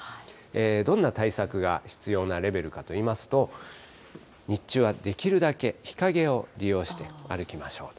どんな対策が必要なレベルかといいますと、日中はできるだけ日陰を利用して歩きましょうと。